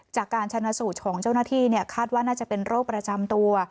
จากการชนะสูตรของเจ้าหน้าที่คาดว่าน่าจะเป็นโรคประจำตัว